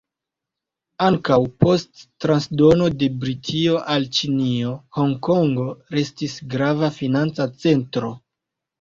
Ankaŭ post la transdono de Britio al Ĉinio, Honkongo restis grava financa centro.